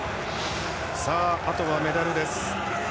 あとはメダルです。